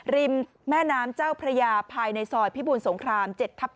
ริมแม่น้ำเจ้าพระยาภายในซอยพิบูรสงคราม๗ทับ๑